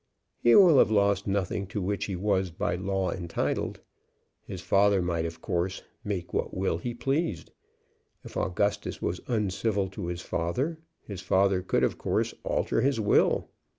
"He will have lost nothing to which he was by law entitled. His father might of course make what will he pleased. If Augustus was uncivil to his father, his father could of course alter his will.